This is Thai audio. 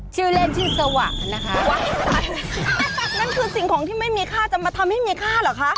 ชื่อเล่นชื่อสวะนะคะนั่นคือสิ่งของที่ไม่มีค่าจะมาทำให้มีค่าเหรอคะ